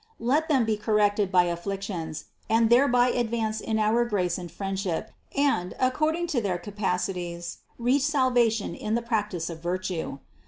Let them be corrected by afflictions and thereby advance in our grace and friendship and, according to their capa bilities, reach salvation in the practice of virtue.